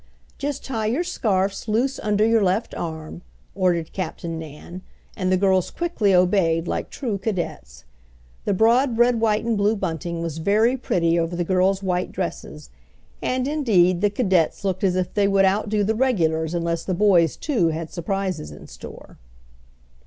"Just tie your scarfs loose under your left arm," ordered Captain Nan, and the girls quickly obeyed like true cadets. The broad red white and blue bunting was very pretty over the girls' white dresses, and indeed the "cadets" looked as if they would outdo the "regulars" unless the boys too had surprises in store.